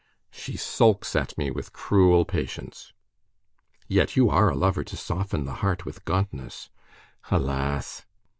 "She sulks at me with cruel patience." "Yet you are a lover to soften the heart with gauntness." "Alas!"